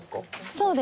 そうです。